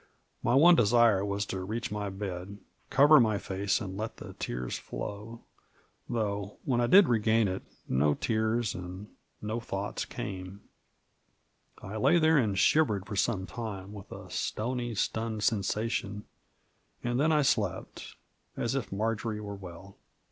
My one desire was to reach my bed, cover my face, and let the tears flow: though, when I did regain it, no tears and no thoughts Digitized by VjOOQIC 106 MARJORY. came. I lay there and shivered for some time, with a stony, stnnned sensation, and then I slept — as if Marjory were well.